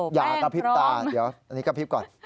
อย่ากระพริบตาเดี๋ยวอันนี้กระพริบก่อน